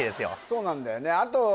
そうなんだよね